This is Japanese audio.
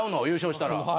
優勝したら。